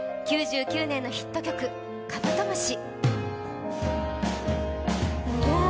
９９年のヒット曲、「カブトムシ」。